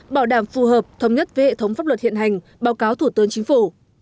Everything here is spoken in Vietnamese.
bảo đảm phù hợp thống nhất với hệ thống pháp luật hiện hành báo cáo thủ tướng chính phủ